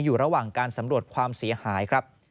อยู่ระหว่างการสำรวจความเสียหายครับ